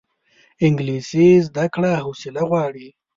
انګلیسي زده کړه حوصله غواړي